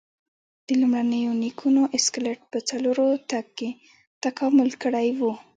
د لومړنیو نیکونو اسکلیټ په څلورو تګ کې تکامل کړی و.